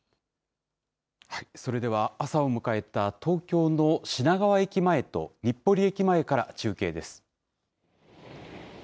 それでは、朝を迎えた東京の品川駅前と日暮里駅前から中継です。